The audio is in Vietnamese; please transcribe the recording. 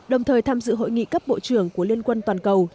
đồng thời tham dự hội nghị cấp bộ trưởng của liên quân toàn cầu